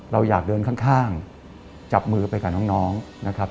เราอยากเดินข้างจับมือไปกับน้องนะครับ